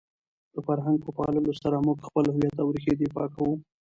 د فرهنګ په پاللو سره موږ د خپل هویت او رېښې دفاع کوو.